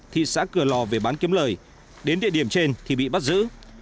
thị xã cửa lò về bán kiếm lời đến địa điểm trên thì bị bắt giữ